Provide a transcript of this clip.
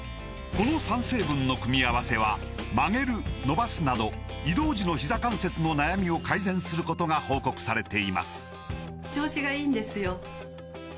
この３成分の組み合わせは曲げる伸ばすなど移動時のひざ関節の悩みを改善することが報告されています